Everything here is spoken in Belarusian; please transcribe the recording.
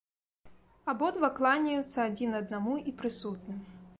Абодва кланяюцца адзін аднаму і прысутным.